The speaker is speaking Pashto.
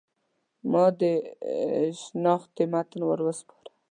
ما د شنختې متن ور وسپاره.